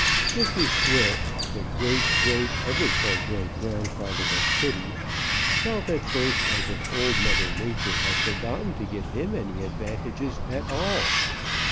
Mr. Swift, the great great ever so great grandfather of Sooty, felt at first as if Old Mother Nature had forgotten to give him any advantages at all.